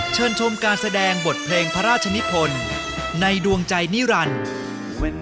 เชิญชมการแสดงบทเพลงพระราชนิพลในดวงใจนิรันดิ์